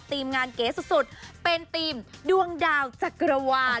ทีมงานเก๋สุดเป็นทีมดวงดาวจักรวาล